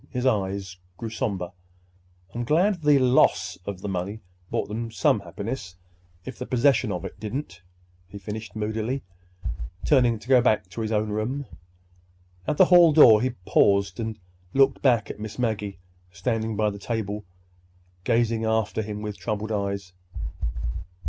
His eyes grew somber. "I'm glad the loss of the money brought them some happiness—if the possession of it didn't," he finished moodily, turning to go to his own room. At the hall door he paused and looked back at Miss Maggie, standing by the table, gazing after him with troubled eyes.